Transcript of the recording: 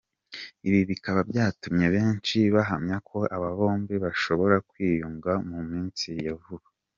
Ibi bikaba byatumye benshi bahamya ko aba bombi bashobora kwiyunga mu minsi ya vuba.